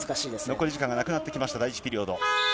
残り時間がなくなってきました、第１ピリオド。